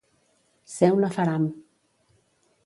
Ser un afaram.